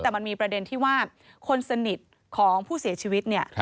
แต่มันมีประเด็นที่ว่าคนสนิทของผู้เสียชีวิตเนี่ย